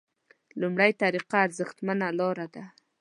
لومړۍ طریقه ارزښتمنه لاره ده.